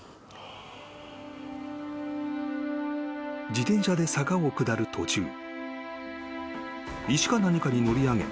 ［自転車で坂を下る途中石か何かに乗り上げ転倒］